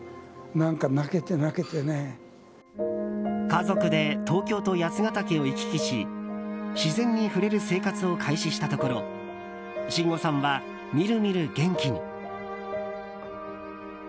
家族で東京と八ケ岳を行き来し自然に触れる生活を開始したところ真吾さんは、みるみる元気に。